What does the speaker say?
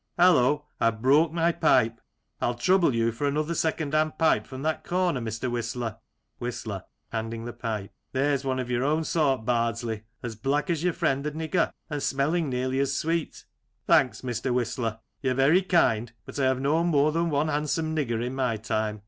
Hallo ! I've broke my pipe 1 I'll trouble you for another second hand pipe from that corner, Mr. Whistler. 122 Lancashire Characters and Places, Whistler {handing the pipe) : There's one of your own sort, Bardsley, as black as your friend the nigger, and smelling nearly as sweet. Bardsley : Thanks, Mr. Whistler, you're very kind, but I have known more than one handsome nigger in my time.